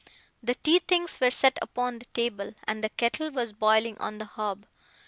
The tea things were set upon the table, and the kettle was boiling on the hob.